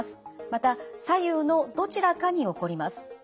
また左右のどちらかに起こります。